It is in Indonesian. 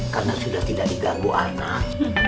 karena sudah tidak diganggu anak